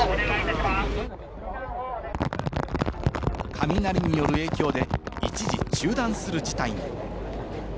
雷による影響で一時中断する事態に。